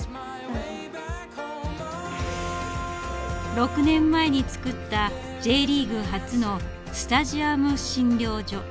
６年前に作ったＪリーグ初のスタジアム診療所。